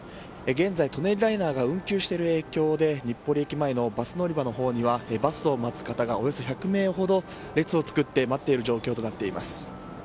現在、舎人ライナーが運休している影響で日暮里駅の前にはバスを待つ方がおよそ１００名ほど列を作って待っている状況となっています。